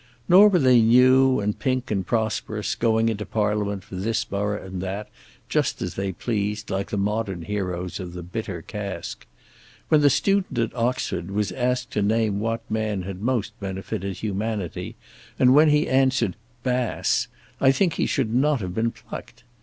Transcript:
Nor were they new, and pink, and prosperous, going into Parliament for this borough and that, just as they pleased, like the modern heroes of the bitter cask. When the student at Oxford was asked what man had most benefited humanity, and when he answered "Bass," I think that he should not have been plucked.